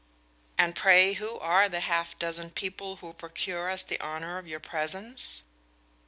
"And pray, who are the half dozen people who procure us the honor of your presence?"